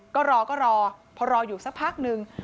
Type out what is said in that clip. ก็รอก็รอพอรออยู่สักพักนึง